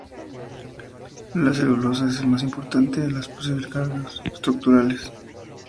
La celulosa es el más importante de los polisacáridos estructurales.